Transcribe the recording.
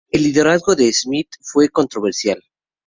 El liderazgo de Smith fue controversial.